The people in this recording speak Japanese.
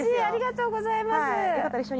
ありがとうございます。